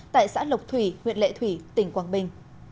tại xã lộc thủy huyện lệ thủy tỉnh quảng bình